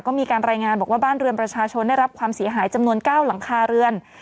ก็มีการรายงานบอกว่าบ้านเรือนประชาชนได้รับความเสียหายจำนวน๙หลังคาเรือน